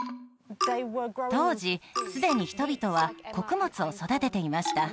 当時すでに人々は穀物を育てていました